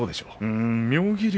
妙義龍